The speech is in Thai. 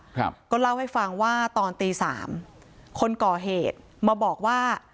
ครับก็เล่าให้ฟังว่าตอนตีสามคนก่อเหตุมาบอกว่า